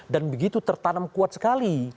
dan begitu tertanam kuat sekali